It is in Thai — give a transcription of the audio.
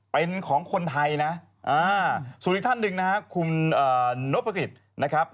เป็นของคนไทยนะส่วนอีกท่านหนึ่งนะครับคุณนพกิจนะครับ